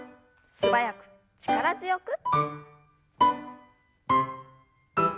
素早く力強く。